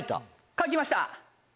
書きました。